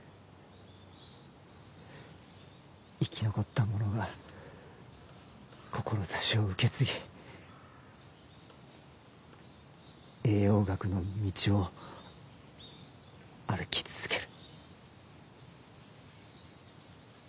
生き残った者が志を受け継ぎ栄養学の道を歩き続ける。